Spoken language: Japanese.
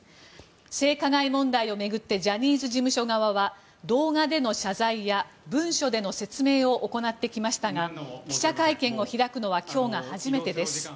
性加害問題を巡ってジャニーズ事務所側は動画での謝罪や文書での説明を行ってきましたが記者会見を開くのは今日が初めてです。